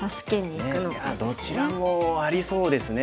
いやどちらもありそうですね